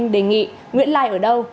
đề nghị nguyễn lai ở đâu